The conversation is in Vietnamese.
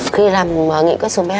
khi làm nghị quyết số một mươi hai